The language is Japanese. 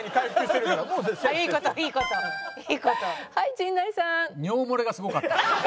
陣内さん。